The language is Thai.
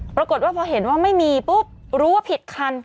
ปรากฏว่าพอเห็นว่าไม่มีปุ๊บรู้ว่าผิดคัน